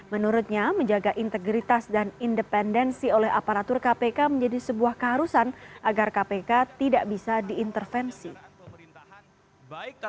menurutnya menjaga integritas dan independensi oleh aparatur kpk menjadi sebuah keharusan agar kpk tidak bisa diintervensi